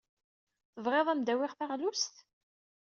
Tebɣid ad am-d-awyeɣ taɣlust?